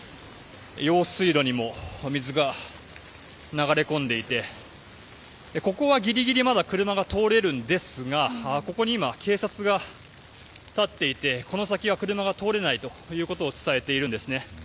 用水路にも水が流れ込んでいてここはギリギリまだ車が通れるんですがここに今、警察が立っていてこの先は車が通れないということを伝えています。